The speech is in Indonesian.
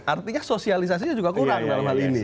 artinya sosialisasinya juga kurang dalam hal ini